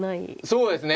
そうですね。